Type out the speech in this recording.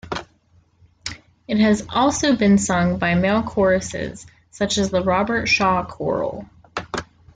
It has also been sung by male choruses such as the Robert Shaw Chorale.